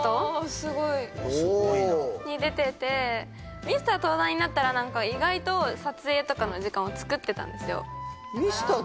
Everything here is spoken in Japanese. すごいすごいなに出ててミスター東大になったら何か意外と撮影とかの時間を作ってたんですよだからミスター